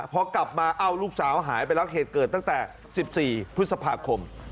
พอกลับมาเอ้าลูกสาวหายไปแล้วเหตุเกิดตั้งแต่๑๔พฤษภาคม